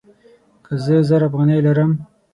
لکه زه زر افغانۍ لرم